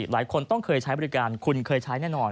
หลายคนต้องเคยใช้บริการคุณเคยใช้แน่นอน